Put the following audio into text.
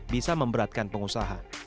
bisa memberatkan pengusaha